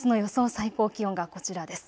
最高気温がこちらです。